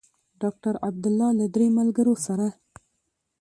ډاکټر عبدالله له درې ملګرو سره.